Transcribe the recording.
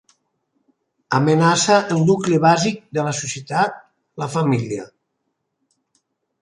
Amenaça el nucli bàsic de la societat, la família.